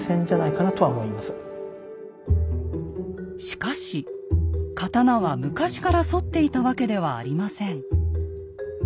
しかし刀は昔から反っていたわけではありません。